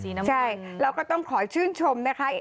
สีน้ำมุมใช่เราก็ต้องขอชื่นชมนะคะ